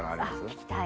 聞きたい！